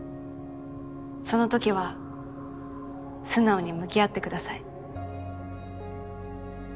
そのときは素直に向き合ってください。